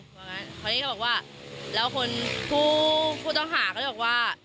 เพราะฉะนั้นเขาบอกว่าแล้วคนที่ต้องหาเขาบอกว่า